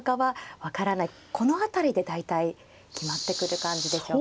この辺りで大体決まってくる感じでしょうか。